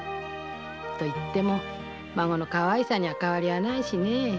と言っても孫のかわいさに変わりはないしね。